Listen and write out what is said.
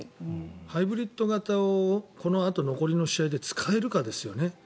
ハイブリッド型をこのあと残りの試合で使えるかですよね。